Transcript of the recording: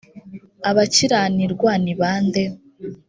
abakiranirwa ni ba nde